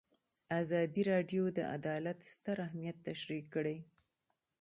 ازادي راډیو د عدالت ستر اهميت تشریح کړی.